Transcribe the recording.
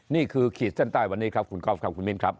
ขีดเส้นใต้วันนี้ครับคุณก๊อฟครับคุณมิ้นครับ